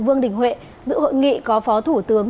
vương đình huệ dự hội nghị có phó thủ tướng